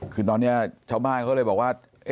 คือตอนนี้ชาวบ้านเขาเลยบอกว่า